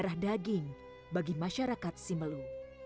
darah daging bagi masyarakat simelu